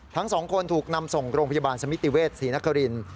ทั้งสองคนถูกนำส่งโรงพยาบาลสมิติเวศศรีนครินทร์